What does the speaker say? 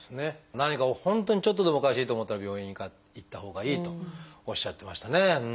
何か本当にちょっとでもおかしいと思ったら病院に行ったほうがいいとおっしゃってましたね。